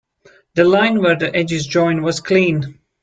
The line where the edges join was clean.